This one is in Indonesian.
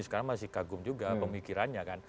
sekarang masih kagum juga pemikirannya kan